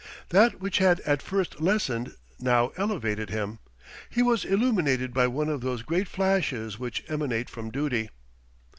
That which had at first lessened now elevated him. He was illuminated by one of those great flashes which emanate from duty.